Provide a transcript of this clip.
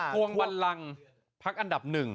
ภวงบันรังพักอันดับหนึ่ง